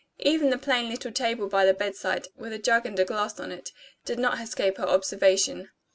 Even the plain little table by the bed side, with a jug and a glass on it, did not escape her observation.